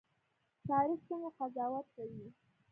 تاریخ څنګه قضاوت کوي؟